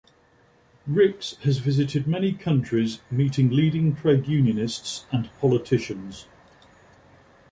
Rix has visited many countries meeting leading trade unionists and politicians.